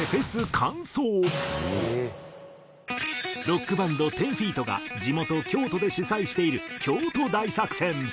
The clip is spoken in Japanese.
ロックバンド１０−ＦＥＥＴが地元京都で主催している京都大作戦。